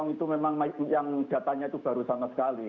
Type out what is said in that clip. itu memang yang datanya itu baru sama sekali